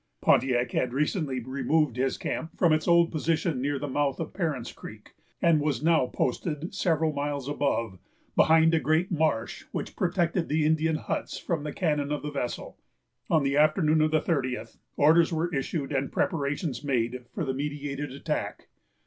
Pontiac had recently removed his camp from its old position near the mouth of Parent's Creek, and was now posted several miles above, behind a great marsh, which protected the Indian huts from the cannon of the vessel. On the afternoon of the thirtieth, orders were issued and preparations made for the meditated attack.